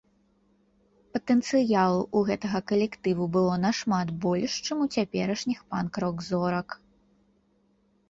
Патэнцыялу ў гэтага калектыву было нашмат больш чым у цяперашніх панк-рок зорак.